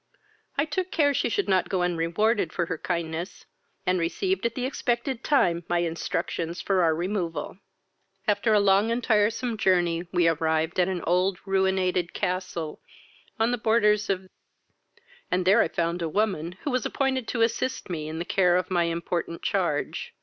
I took care she should not go unrewarded for her kindness, and received at the expected time my instructions for our removal. "After a long and tiresome journey, we arrived at an old ruinated castle, on the boarders of , and there I found a woman, who was appointed to assist me in the care of my important charge.